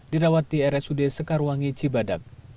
dirawat di rsud sekarwangi cibadak